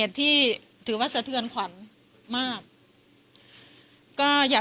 กินโทษส่องแล้วอย่างนี้ก็ได้